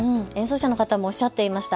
演奏者の方もおっしゃっていました